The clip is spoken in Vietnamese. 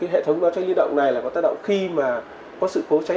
hệ thống đó cháy liên động này có tác động khi có sự cố cháy